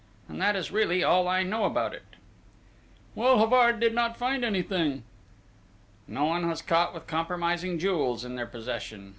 and that is really all I know about it!" "Well, Havard did not find anything!" "No one was caught with compromising jewels in their possession.